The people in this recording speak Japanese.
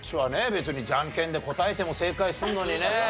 別にじゃんけんで答えても正解するのにね。